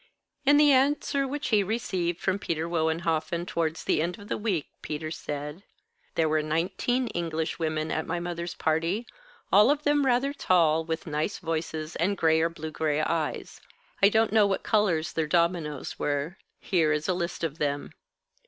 In the answer which he received from Peter Wohenhoffen towards the end of the week, Peter said: "There were nineteen Englishwomen at my mother's party, all of them rather tall, with nice voices, and gray or blue gray eyes. I don't know what colours their dominoes were. Here is a list of them."